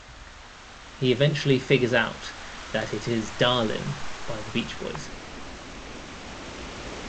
He eventually figures out that it is "Darlin'" by The Beach Boys.